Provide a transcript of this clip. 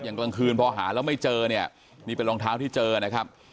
กลางคืนพอหาแล้วไม่เจอเนี่ยนี่เป็นรองเท้าที่เจอนะครับ